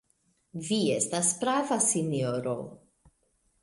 Vi estas prava, sinjoro.